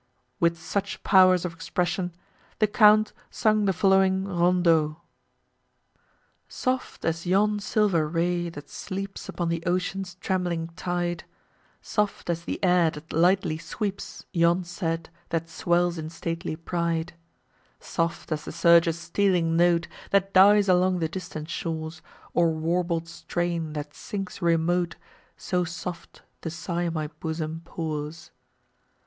With such powers of expression the Count sung the following RONDEAU Soft as yon silver ray, that sleeps Upon the ocean's trembling tide; Soft as the air, that lightly sweeps Yon sad, that swells in stately pride: Soft as the surge's stealing note, That dies along the distant shores, Or warbled strain, that sinks remote— So soft the sigh my bosom pours!